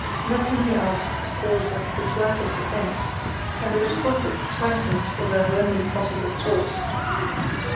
Nothing he asked could cause us the slightest offence; and a responsive frankness was our only possible course.